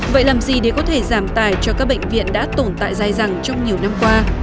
vậy làm gì để có thể giảm tài cho các bệnh viện đã tồn tại dài rằng trong nhiều năm qua